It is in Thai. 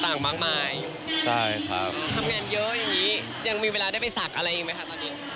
ทำงานเยอะอย่างนี้ยังมีเวลาได้ไปสักอะไรอีกไหมคะตอนนี้